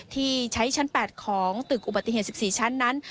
ที่ใช้ชั้น๘ของตึกอุบัติเหตุ๑๔ชั้นนั้น